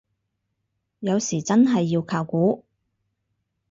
有時真係要靠估